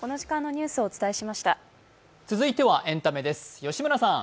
続いてはエンタメです。